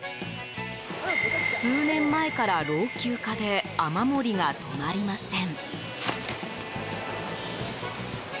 数年前から老朽化で雨漏りが止まりません。